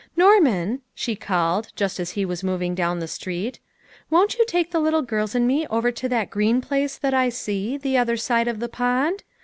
"Norman," she called, just as he was moving down the street, " won't you take the little girls and me over to that green place, that I see, the other side of the pond